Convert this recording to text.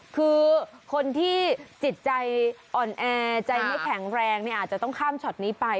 คือคนที่จิตใจอ่อนแอใจไม่แข็งแรงเนี่ยอาจจะต้องข้ามช็อตนี้ไป